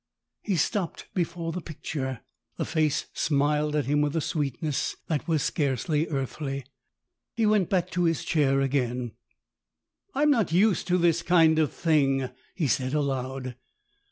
He stopped before the picture. The face smiled at him with a sweetness that was scarcely earthly. 152 STORIES IN GREY He went back to his chair again. "I'm not used to this kind of thing," he said aloud.